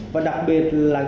và đặc biệt là